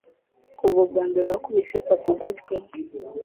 kuva ubwambere wakubise papa ugutwi